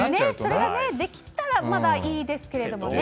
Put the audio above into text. それができたらまだいいですけれどもね。